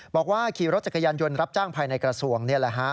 บอกว่าขี่รถจักรยานยนต์รับจ้างภายในกระทรวงนี่แหละฮะ